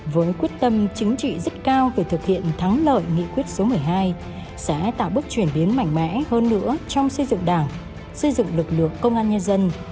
với quyết tâm và trưởng thành của lực lượng công an nhân dân với quyết tâm và trưởng thành của lực lượng công an nhân dân